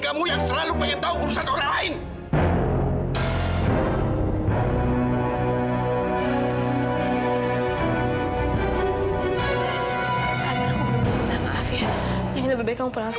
kamu yang selalu penyentang urusan orang lain